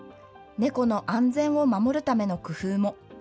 猫の安全を守るための工夫も。